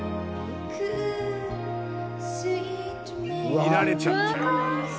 見られちゃった。